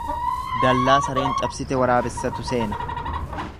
Dallaa sareen cabsite waraabessatu seena.